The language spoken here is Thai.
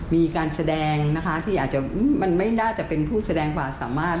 มีการแสดงนะคะที่อาจจะมันไม่น่าจะเป็นผู้แสดงความสามารถ